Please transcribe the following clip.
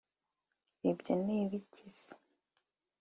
Ibyo ni ibiki se